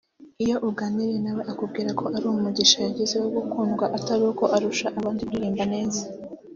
Iyo uganiriye na we akubwira ko ari umugisha yagize wo gukundwa atari uko arusha abandi kuririmba neza